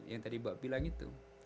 yang tadi mbak bilang itu